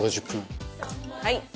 はい。